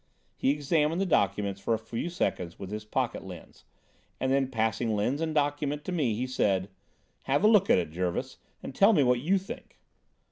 He examined the document for a few seconds with his pocket lens, and then passing lens and document to me, said: "Have a look at it, Jervis, and tell me what you think."